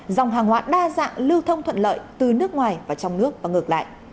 dòng hàng hoạt đa dạng lưu thông thuận lợi từ nước ngoài vào trong nước và ngược lại